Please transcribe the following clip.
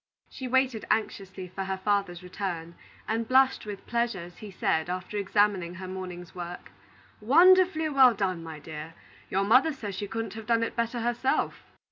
She waited anxiously for her father's return, and blushed with pleasure as he said, after examining her morning's work: "Wonderfully well done, my dear! Your mother says she couldn't have done it better herself."